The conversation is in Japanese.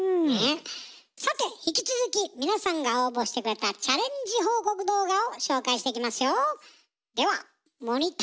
さて引き続き皆さんが応募してくれたチャレンジ報告動画を紹介していきますよ。